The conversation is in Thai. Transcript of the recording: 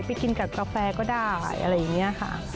กินกับกาแฟก็ได้อะไรอย่างนี้ค่ะ